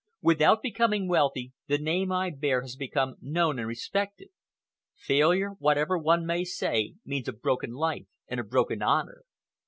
Without becoming wealthy, the name I bear has become known and respected. Failure, whatever one may say, means a broken life and a broken honor.